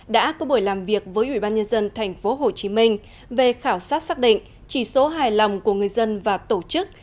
đã có buổi làm việc với ubnd tp hcm về khảo sát xác định chỉ số hài lòng của người dân và tổ chức